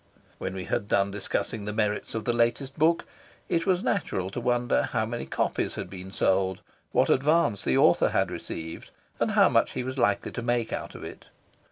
When we had done discussing the merits of the latest book, it was natural to wonder how many copies had been sold, what advance the author had received, and how much he was likely to make out of it.